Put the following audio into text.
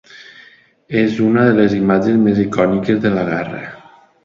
És una de les imatges més icòniques de la guerra.